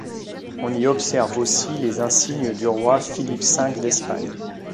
On y observe aussi les insignes du roi Philippe V d'Espagne.